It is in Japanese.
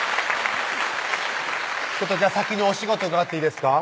先にお仕事伺っていいですか？